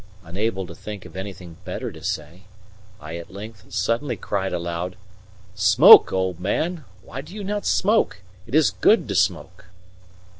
Unable to think of anything better to say, I at length suddenly cried aloud: "Smoke, old man! Why do you not smoke? It is good to smoke."